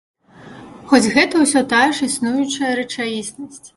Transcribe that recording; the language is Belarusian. Хоць гэта ўсё тая ж існуючая рэчаіснасць.